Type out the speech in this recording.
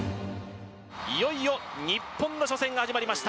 いよいよ日本の初戦が始まりました。